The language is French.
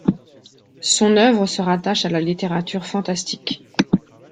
Son œuvre se rattache à la littérature fantastique.